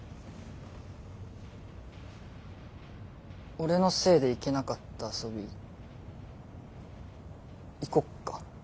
俺のせいで行けなかった遊び行こっか。